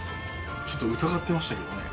ちょっと疑ってましたけどね